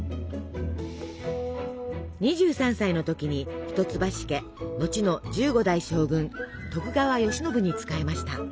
２３歳の時に一橋家のちの１５代将軍徳川慶喜に仕えました。